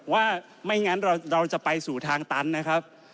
ว่าไม่งั้นเราจะไปสู่ทางตันนะครับ